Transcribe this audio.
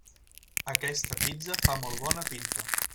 Aquesta pizza fa molt bona pinta.